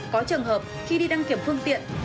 có trường hợp khi đi đăng kiểm phương tiện